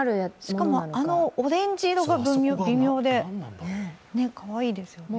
しかも、あのオレンジ色が微妙で、かわいいですよね。